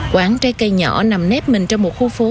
quán trái cây nhỏ nằm nếp mình trong một khu phố